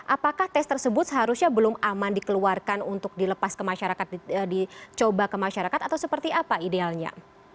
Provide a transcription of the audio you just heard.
apakah tes tersebut seharusnya belum aman dikeluarkan untuk dilepas ke masyarakat dicoba ke masyarakat atau seperti apa idealnya